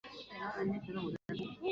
圣旺拉泰讷人口变化图示